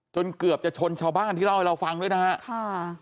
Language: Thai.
เกือบจะชนชาวบ้านที่เล่าให้เราฟังด้วยนะฮะค่ะ